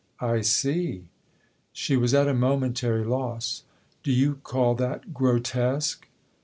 " I see." She was at a momentary loss. " Do you call that grotesque